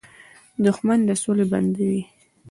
دښمن د سولې بنده وي